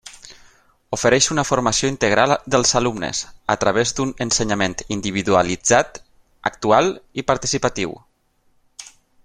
Ofereix una formació integral dels alumnes, a través d'un ensenyament individualitzat, actual i participatiu.